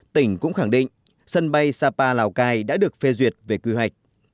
tỉnh cũng khẳng định sân bay sapa lào cai đã được phê duyệt về quy hoạch